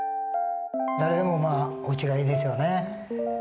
誰でもおうちがいいですよね。